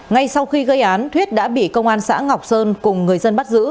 ngay sau khi gây án thuyết đã bị công an xã ngọc sơn cùng người dân bắt giữ